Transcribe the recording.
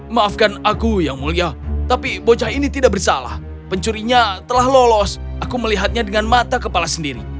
maafkan aku yang mulia tapi bocah ini tidak bersalah pencurinya telah lolos aku melihatnya dengan mata kepala sendiri